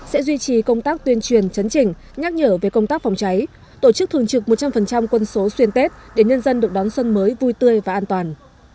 sẽ duy trì công tác tuyên truyền chấn chỉnh nhắc nhở về công tác phòng cháy tổ chức thường trực một trăm linh quân số xuyên tết để nhân dân được đón xuân mới vui tươi và an toàn